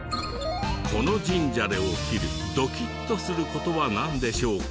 この神社で起きるドキッとする事はなんでしょうか？